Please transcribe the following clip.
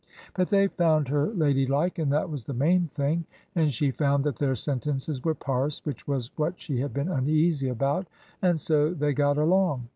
But they found her ladylike, and that was the main thing ; and she found that their sentences would parse, which was what she had been uneasy about ; and so they got along.